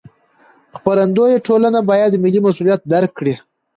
خپرندویه ټولنې باید ملي مسوولیت درک کړي.